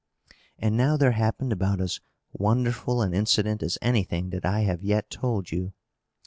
And now there happened about as wonderful an incident as anything that I have yet told you.